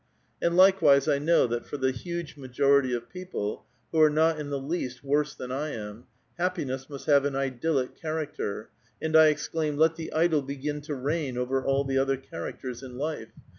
And. likewise, 1 know that for the huge majority of people, who are not in tiie least worse than I am, hap[>iness must have an idyllic character ; and 1 exclaim :Let the idyl be gin to reign over all the other characters iu life.